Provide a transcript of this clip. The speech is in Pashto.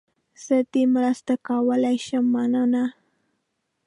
زه دې مرسته کولای شم، مننه.